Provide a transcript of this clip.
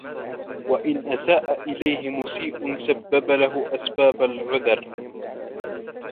وَإِنْ أَسَاءَ إلَيْهِ مُسِيءٌ سَبَّبَ لَهُ أَسْبَابَ الْعُذْرِ